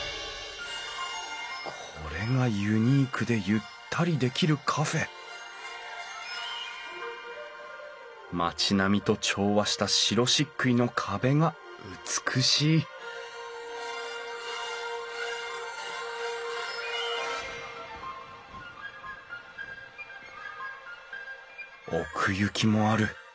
これがユニークでゆったりできるカフェ町並みと調和した白しっくいの壁が美しい奥行きもある。